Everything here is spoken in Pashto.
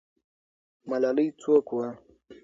ملالۍ څوک وه؟